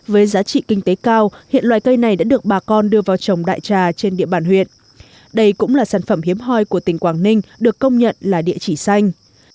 với giá trị kinh tế cao hiện loài cây này đã được bà con đưa vào trồng đại trà trên địa bàn huyện đây cũng là sản phẩm hiếm hoi của tỉnh quảng ninh được công nhận là địa chỉ xanh